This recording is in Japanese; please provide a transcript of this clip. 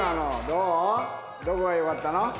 どこが良かったの？